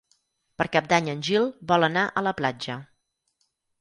Per Cap d'Any en Gil vol anar a la platja.